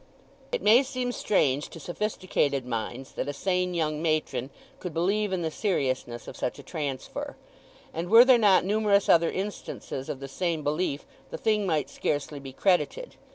It may seem strange to sophisticated minds that a sane young matron could believe in the seriousness of such a transfer; and were there not numerous other instances of the same belief the thing might scarcely be credited.